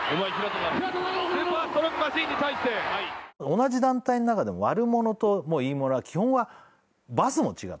同じ団体の中でも悪者といい者は基本はバスも違って。